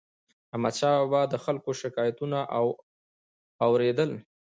احمدشاه بابا به د خلکو شکایتونه اور يدل.